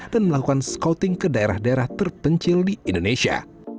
dan melakukan scouting ke daerah daerah terpencil di indonesia